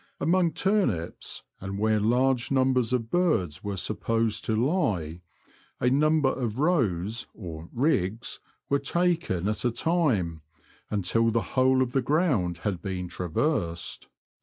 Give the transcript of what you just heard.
Among turnips, and where large numbers of birds were supposed to lie, a number of rows or ^' riggs " were taken at a time, until the whole of the ground had been traversed.